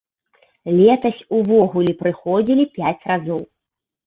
Летась увогуле прыходзілі пяць разоў.